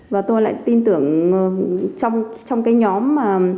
và tôi lại tin tưởng trong cái nhóm mà